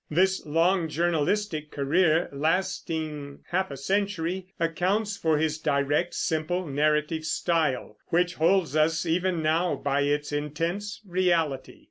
This long journalistic career, lasting half a century, accounts for his direct, simple, narrative style, which holds us even now by its intense reality.